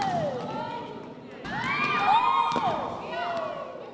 สุดท้ายสุดท้ายสุดท้าย